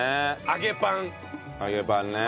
揚げパンね。